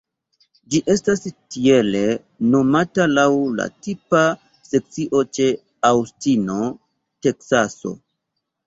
Ĝi estas tiele nomata laŭ la tipa sekcio ĉe Aŭstino, Teksaso.